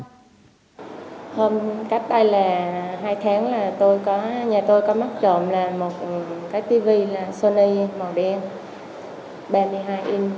hôm cách đây là hai tháng là nhà tôi có mắc trộm một cái tv sony màu đen ba mươi hai inch